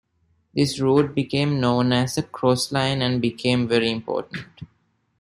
This route became known as the "Crossline" and became very important.